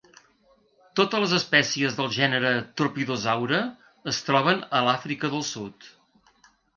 Totes les espècies del gènere "Tropidosaura" es troben a Àfrica del Sud.